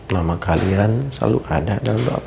nama kalian selalu ada dalam doa papa